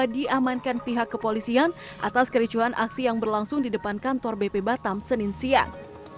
diamankan pihak kepolisian atas kericuhan aksi yang berlangsung di depan kantor bp batam senin siang